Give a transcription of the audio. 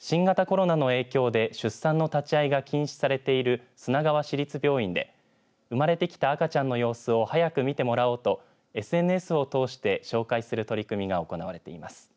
新型コロナの影響で出産の立ち会いが禁止されている砂川市立病院で生まれてきた赤ちゃんの様子を早く見てもらおうとＳＮＳを通して紹介する取り組みが行われています。